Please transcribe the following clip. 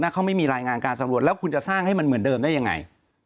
เขาไม่มีรายงานการสำรวจแล้วคุณจะสร้างให้มันเหมือนเดิมได้ยังไง